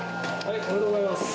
おめでとうございます。